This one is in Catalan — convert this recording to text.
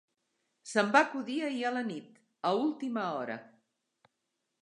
Se'm va acudir ahir a la nit, a última hora.